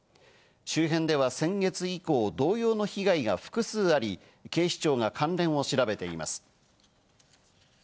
周辺では先月以降、同様の被害が複数あり、警視庁が関連を調べています。